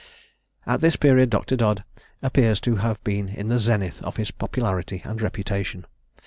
At this period Dr. Dodd appears to have been in the zenith of his popularity and reputation.